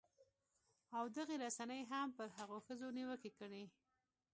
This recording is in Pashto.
او دغې رسنۍ هم پر هغو ښځو نیوکې کړې